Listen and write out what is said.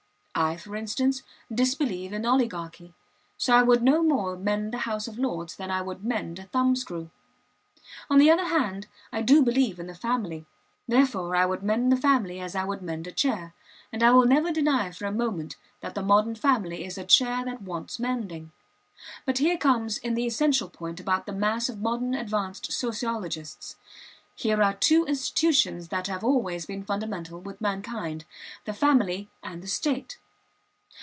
I, for instance, disbelieve in oligarchy; so I would no more mend the House of Lords than I would mend a thumbscrew. On the other hand, I do believe in the family; therefore I would mend the family as I would mend a chair; and I will never deny for a moment that the modern family is a chair that wants mending. But here comes in the essential point about the mass of modern advanced sociologists. Here are two institutions that have always been fundamental with mankind, the family and the state.